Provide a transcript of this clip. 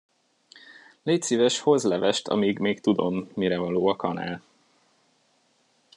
Légy szíves, hozz levest, amíg még tudom, mire való a kanál.